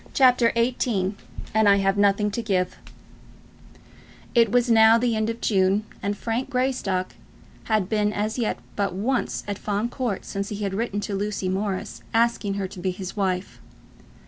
CHAPTER XVIII "And I Have Nothing to Give" It was now the end of June, and Frank Greystock had been as yet but once at Fawn Court since he had written to Lucy Morris asking her to be his wife.